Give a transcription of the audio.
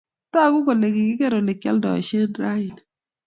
Tagu kole kigigeer olegioldoishen raini